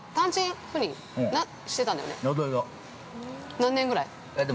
◆何年ぐらい？